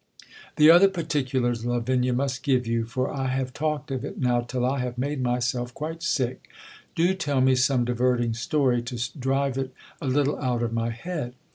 The other particulars La vinia must give you;: for T have talked of it now till 1 have made myself quite rick. Do tell me some diverting story to drive it a little out of my head.